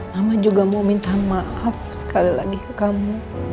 mama juga mau minta maaf sekali lagi ke kamu